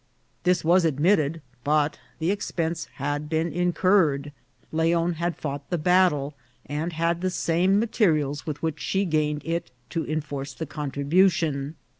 This was admitted; but the expense had been incurred; Leon had fought the battle, and had the same materials with which she gained it to enforce the contribution.